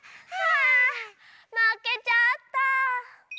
あまけちゃった。